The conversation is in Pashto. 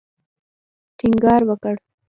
ټینګار وکړ.